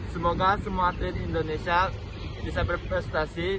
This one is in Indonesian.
semoga semua atlet indonesia bisa berprestasi